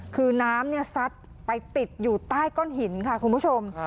คือน้ำซัดไปติดอยู่ใต้ก้อนหินค่ะคุณผู้ชม